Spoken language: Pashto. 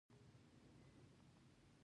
په لږ وخت کې له منځه یووړ.